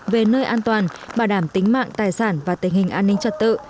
về nơi an toàn bảo đảm tính mạng tài sản và tình hình an ninh trật tự